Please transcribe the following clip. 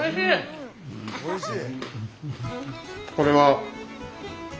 おいしい。